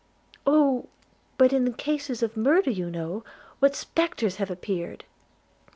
'Oh! but in cases of murder you know what spectres have appeared!'